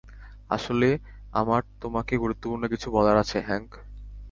আসলে, আমার তোমাকে গুরুত্বপূর্ণ কিছু বলার আছে, হ্যাংক।